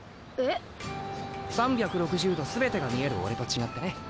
３６０°全てが見える俺と違ってね。